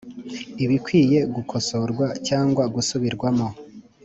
ibikwiye gukosorwa cyangwa gusubirwamo